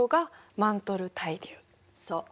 そう。